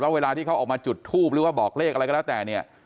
เวลาที่เขาออกมาจุดทูปหรือว่าบอกเลขอะไรก็แล้วแต่เนี่ย